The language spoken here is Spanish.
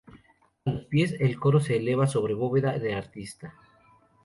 A los pies, el coro se eleva sobre bóveda de arista.